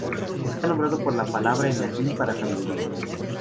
Está nombrado por la palabra en latín para "sabiduría".